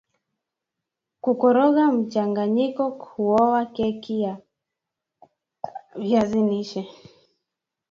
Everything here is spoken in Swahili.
kukoroga mchanganyiko huowa keki ya viazi lishe